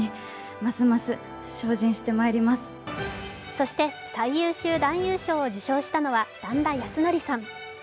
そして最優秀男優賞を受賞したのは段田安則さん。